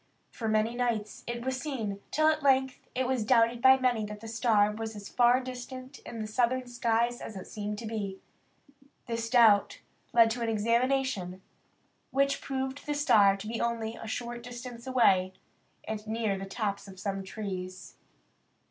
For many nights it was seen, till at length it was doubted by many that the star was as far distant in the southern skies as it seemed to be. This doubt led to an examination, which proved the star to be only a short distance away, and near the tops of some trees.